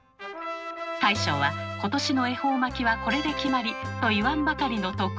大将は今年の恵方巻はこれで決まりと言わんばかりの得意顔。